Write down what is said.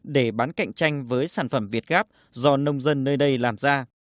để bán cạnh tranh với sản phẩm việt gáp do nông dân nơi đây làm ra